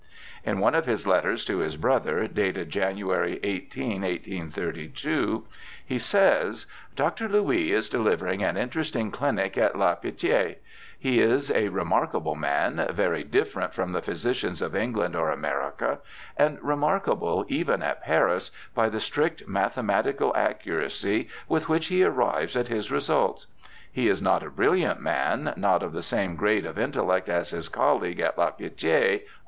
In one of his letters^ to his brother, dated January 18, 1832, he says :' Dr. Louis is delivering an interesting clinic at La Pitie ; he is a remarkable man, very different from the physicians of England or America, and remarkable even at Paris by the strict mathematical accuracy with which he arrives at his results ; he is not a brilliant man, not of the same grade of intellect as his colleague at La Pitie, Andral.'